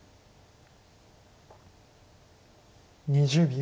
２０秒。